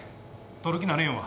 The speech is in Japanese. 撮る気なれへんわ。